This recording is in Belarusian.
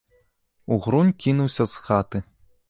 Угрунь кінуўся з хаты.